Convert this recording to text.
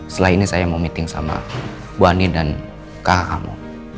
setelah ini saya mau meeting sama bu anin dan kakak kamu